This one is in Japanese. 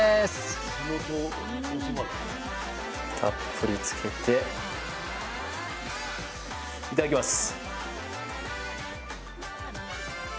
たっぷりつけていただきます。